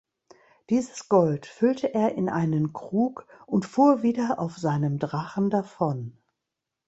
Dieses Gold füllte er in einen Krug und fuhr wieder auf seinem Drachen davon.